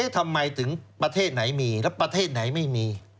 ทำไมถึงประเทศไหนมีแล้วประเทศไหนไม่มี